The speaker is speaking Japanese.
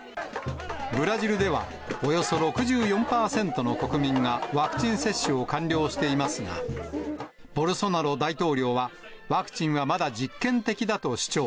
ブラジルでは、およそ６４％の国民がワクチン接種を完了していますが、ボルソナロ大統領は、ワクチンはまだ実験的だと主張。